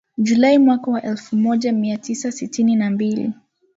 Julai mwaka wa elfu moja mia tisa sitini na mbili .